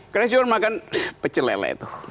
karena saya cuma makan pecel lele itu